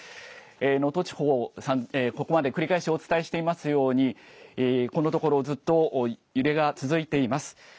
能登地方、ここまで繰り返しお伝えしていますようにこのところずっと揺れが続いています。